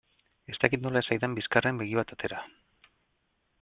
Ez dakit nola ez zaidan bizkarrean begi bat atera.